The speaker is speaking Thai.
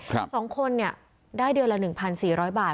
๒คนเนี่ยได้เดือนละ๑๔๐๐บาท